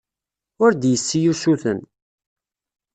Ur d-yessi usuten.